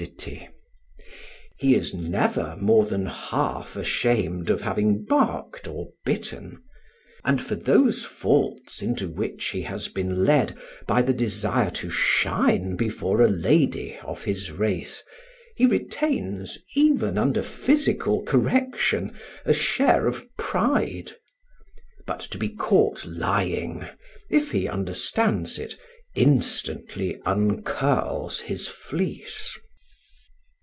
" He is never more than half ashamed of having barked or bitten; and for those faults into which he has been led by the desire to shine before a lady of his race, he retains, even under physical correction, a share of pride. But to be caught lying, if he understands it, instantly uncurls his fleece.